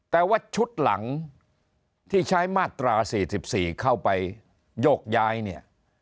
แต่ว่าชุดหลังที่ใช้มาตรา๔๔เข้าไปโยกย้ายเนี่ย